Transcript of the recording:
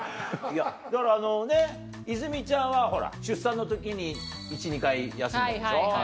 だからあのね泉ちゃんはほら出産の時に１２回休んだでしょ。